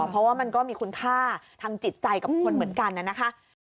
เพราะว่ามันก็มีคุณค่าทางจิตใจกับคนเหมือนกันนะคะ